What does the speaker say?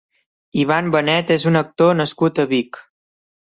Ivan Benet és un actor nascut a Vic.